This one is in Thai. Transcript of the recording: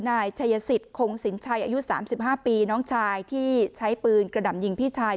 นายชายสิตคงสินชัยอายุสามสิบห้าปีน้องชายที่ใช้ปืนกระดำยิงพี่ชาย